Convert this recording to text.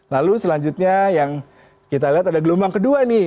lalu selanjutnya yang kita lihat ada gelombang kedua nih